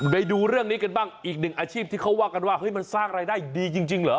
ไปดูเรื่องนี้กันบ้างอีกหนึ่งอาชีพที่เขาว่ากันว่าเฮ้ยมันสร้างรายได้ดีจริงเหรอ